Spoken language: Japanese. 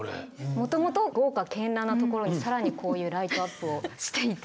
もともと豪華絢爛な所に更にこういうライトアップをしていて。